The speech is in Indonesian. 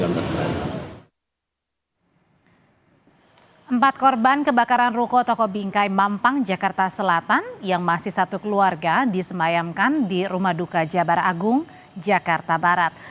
empat korban kebakaran ruko toko bingkai mampang jakarta selatan yang masih satu keluarga disemayamkan di rumah duka jabar agung jakarta barat